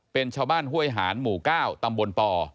เป็นชาวบ้านห้วยหานหมู่๙ตำบลป